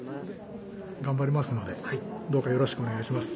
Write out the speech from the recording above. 頑張りますのでどうかよろしくお願いします。